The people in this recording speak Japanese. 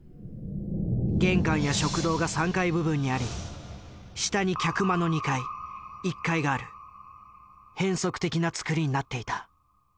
玄関や食堂が３階部分にあり下に客間の２階１階がある変則的な造りになっていた。